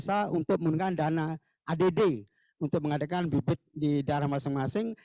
desa untuk menggunakan dana add untuk mengadakan bibit di daerah masing masing